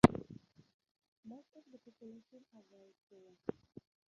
Most of the population are very poor.